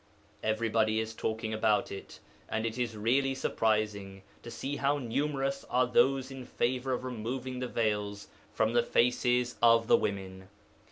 Everybody is talking about it, and it is really surprising to see how numerous are those in favour of removing the veils from the faces of the women.